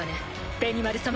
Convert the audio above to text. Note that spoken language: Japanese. ベニマル様。